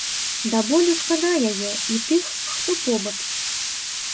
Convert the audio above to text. Да болю шкада яе, і тых, хто побач.